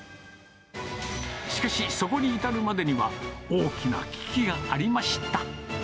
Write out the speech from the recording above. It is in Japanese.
しかしそこに至るまでには、大きな危機がありました。